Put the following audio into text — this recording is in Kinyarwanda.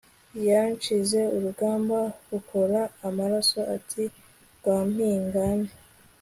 yanshinze urugamba rukora amaraso ati Rwampingane